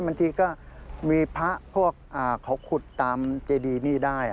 บางทีก็มีพระพวกเขาขุดตามเจดีนี่ได้